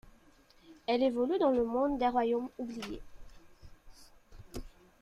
Elle évolue dans le monde des Royaumes oubliés.